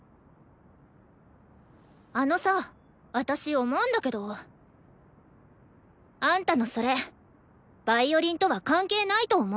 あのさ私思うんだけどあんたの父親ヴァイオリンとは関係ないと思う。